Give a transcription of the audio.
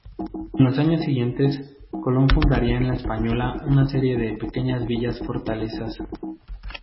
En los años siguientes, Colón fundaría en La Española una serie de pequeñas villas-fortalezas.